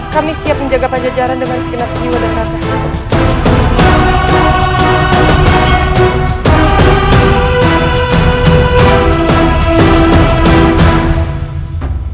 kami siap menjaga panjang jalan dengan sekenap jiwa dan kata